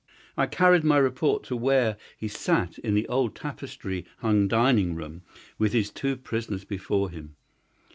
I carried my report to where he sat in the old tapestry hung dining room with his two prisoners before him.